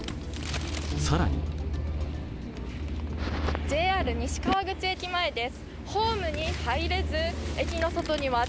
更にＪＲ西川口駅前です。